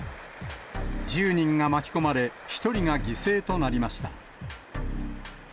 １０人が巻き込まれ、１人が犠牲となりました。